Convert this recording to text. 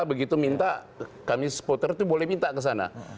begitu minta kami supporter itu boleh minta ke sana